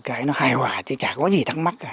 cái hài hòa chả có gì thắc mắc cả